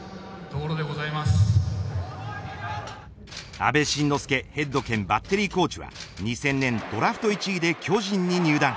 阿部慎之助ヘッド兼バッテリーコーチは２０００年、ドラフト１位で巨人に入団。